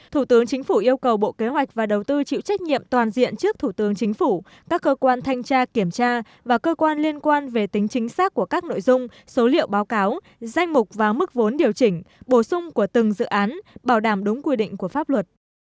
thủ tướng chính phủ yêu cầu bộ kế hoạch và đầu tư chịu trách nhiệm toàn diện trước thủ tướng chính phủ các cơ quan thanh tra kiểm tra và cơ quan liên quan về tính chính xác của các nội dung số liệu báo cáo danh mục và mức vốn điều chỉnh bổ sung của từng dự án bảo đảm đúng quy định của pháp luật